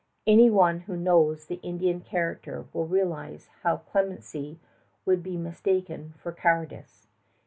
Any one who knows the Indian character will realize how clemency would be mistaken for cowardice.